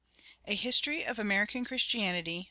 A HISTORY OF AMERICAN CHRISTIANITY.